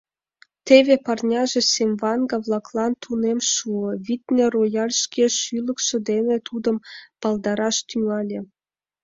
Теве парняже семваҥга-влаклан тунем шуо, витне: рояль шке шӱлыкшӧ дене тудымат палдараш тӱҥале.